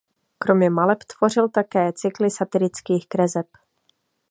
Kromě maleb tvořil také cykly satirických kreseb.